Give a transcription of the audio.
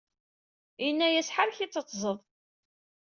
Yenna-yas ḥerrek-itt ad teẓḍ.